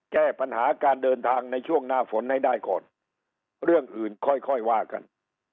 แก้ปัญหาการเดินทางในช่วงหน้าฝนให้ได้ก่อนเรื่องอื่นค่อยค่อยว่ากัน